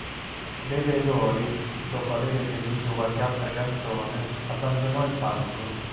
De Gregori, dopo avere eseguito qualche altra canzone, abbandonò il palco.